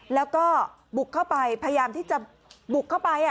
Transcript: แล้วก็บุกเข้าไปพยายามที่จะบุกเข้าไป